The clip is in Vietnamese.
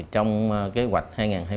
trong kế hoạch hai nghìn hai mươi